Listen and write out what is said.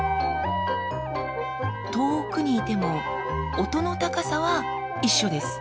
遠くにいても音の高さは一緒です。